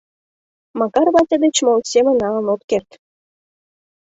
Макар Вася деч моло семын налын от керт.